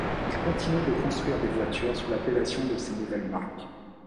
Il continue de construire des voitures sous l'appellation de ces nouvelles marques.